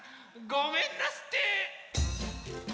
ごめんなすって！